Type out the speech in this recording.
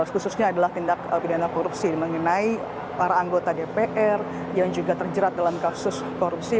khususnya adalah tindak pidana korupsi mengenai para anggota dpr yang juga terjerat dalam kasus korupsi